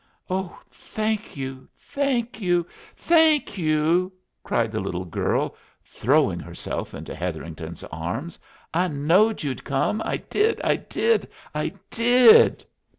"Oh thank you, thank you, thank you!" cried the little girl, throwing herself into Hetherington's arms. "I knowed you'd come I did, I did, I did!"